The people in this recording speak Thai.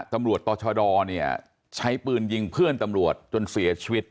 ตำรวจต่อชดเนี่ยใช้ปืนยิงเพื่อนตำรวจจนเสียชีวิต